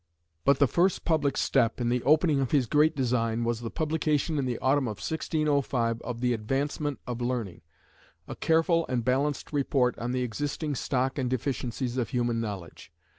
'" But the first public step in the opening of his great design was the publication in the autumn of 1605 of the Advancement of Learning, a careful and balanced report on the existing stock and deficiencies of human knowledge.